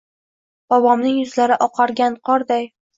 Bobomning yuzlari oqargan qorday.